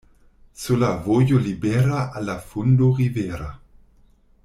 Sola vojo libera al la fundo rivera.